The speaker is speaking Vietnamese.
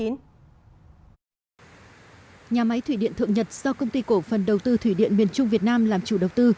nhà máy thủy điện thượng nhật do công ty cổ phần đầu tư thủy điện miền trung việt nam làm chủ đầu tư